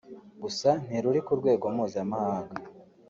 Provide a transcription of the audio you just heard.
gusa ntiruri ku rwego mpuzamahanga